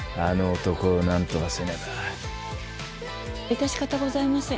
致し方ございませぬ。